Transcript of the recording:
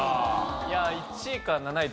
いや１位か７位